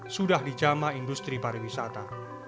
sudah dijama industri pariwisata